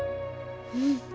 うん。